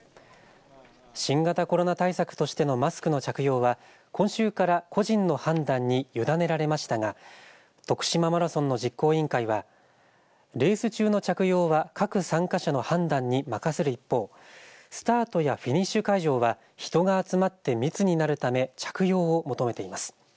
新型コロナ対策としてのマスクの着用は今週から個人の判断に委ねられましたがとくしまマラソンの実行委員会はレース中の着用は各参加者の判断に任せる一方スタートやフィニッシュ会場は人が集まって密になるため着用を求めています。